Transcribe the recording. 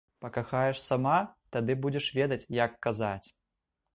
Пакахаеш сама, тады будзеш ведаць, як казаць…